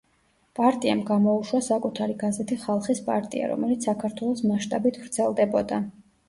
პარტიამ გამოუშვა საკუთარი გაზეთი „ხალხის პარტია“, რომელიც საქართველოს მასშტაბით ვრცელდებოდა.